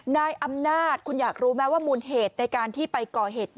นายอำนาจคุณอยากรู้ไหมว่ามูลเหตุในการที่ไปก่อเหตุ